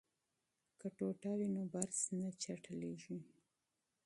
که ټوټه وي نو برس نه چټلیږي.